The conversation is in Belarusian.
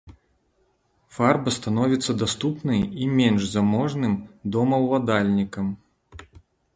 Фарба становіцца даступнай і менш заможным домаўладальнікам.